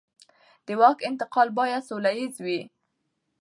د واک انتقال باید سوله ییز وي